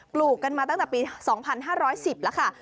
ลูกกันมาตั้งแต่ปี๒๕๑๐แล้วค่ะ